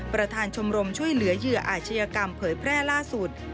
ประธานชมรมช่วยเหลือเหยื่ออาชญากรรมเผยแพร่ล่าสุด